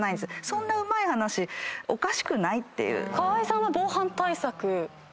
そんなうまい話おかしくない？って。